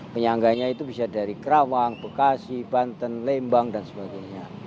penyangganya itu bisa dari kerawang bekasi banten lembang dan sebagainya